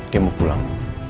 dia mau pulang